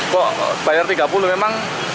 kok bayar tiga puluh memang